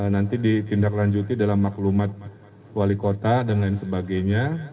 nanti ditindaklanjuti dalam maklumat wali kota dan lain sebagainya